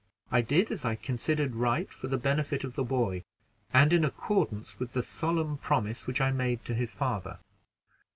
I did as I considered right for the benefit of the boy, and in accordance with the solemn promise which I made to his father."